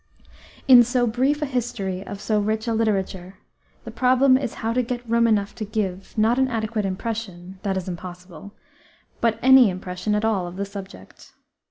In so brief a history of so rich a literature, the problem is how to get room enough to give, not an adequate impression that is impossible but any impression at all of the subject.